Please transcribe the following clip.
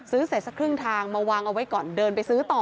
ซื้อเสร็จสักครึ่งทางมาวางเอาไว้ก่อนเดินไปซื้อต่อ